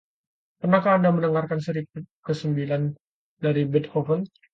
Pernahkah Anda mendengarkan seri kesembilan dari Beethoven?